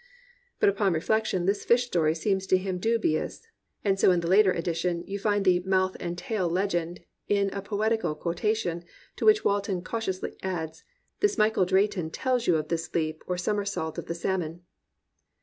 But upon reflection this fish story seems to him dubi ous; and so in the later edition you find the mouth and tail legend in a poetical quotation, to which Walton cautiously adds, ''This Michael Drayton tells you of this leap or summer salt of the salmon."